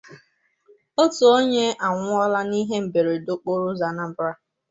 Otu Onye Anwụọla n'Ihe Mberede Okporoụzọ n'Anambra